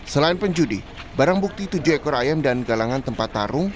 selain penjudi barang bukti tujuh ekor ayam dan galangan tempat tarung